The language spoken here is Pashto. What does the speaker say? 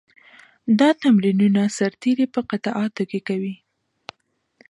دا تمرینونه سرتېري په قطعاتو کې کوي.